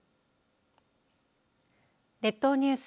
列島ニュース